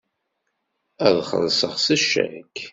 Ad xellṣeɣ s ccak.